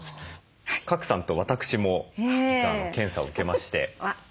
賀来さんと私も実は検査を受けまして。